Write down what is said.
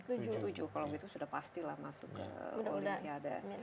kalau gitu sudah pasti lah masuk ke olimpiade